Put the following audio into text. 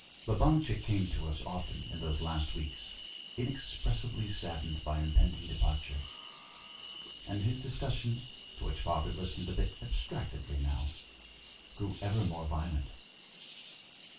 Babanchik came to us often in those last weeks, inexpressibly saddened by our impending departure; and his discussions, to which father listened a bit abstractedly now, grew ever more violent.